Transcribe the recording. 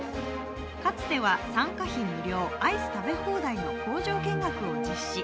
かつては参加費無料アイス食べ放題の工場見学を実施。